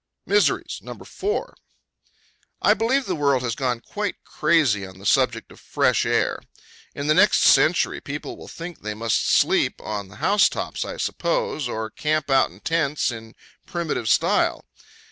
MISERIES. No. 4. I believe the world has gone quite crazy on the subject of fresh air. In the next century people will think they must sleep on the house tops, I suppose, or camp out in tents in primitive style.